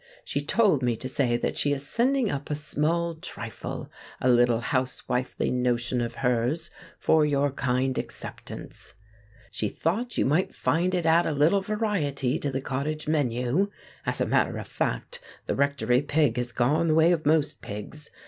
"She told me to say that she is sending up a small trifle—a little housewifely notion of hers—for your kind acceptance. She thought you might find it add a little variety to the cottage menu. As a matter of fact, the rectory pig has gone the way of most pigs!